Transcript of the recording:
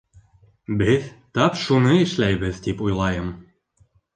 Беҙ тап шуны эшләйбеҙ, тип уйлайым.